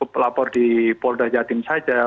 pelapor di polda jatim saja